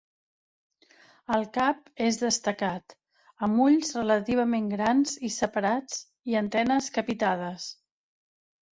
El cap és destacat, amb ulls relativament grans i separats, i antenes capitades.